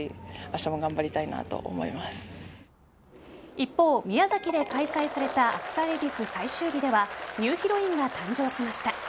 一方、宮崎で開催されたアクサレディス最終日ではニューヒロインが誕生しました。